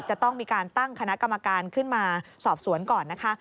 จะต้องมีการตั้งคณะกรรมการขึ้นมาสอบสวนก่อนนะคะ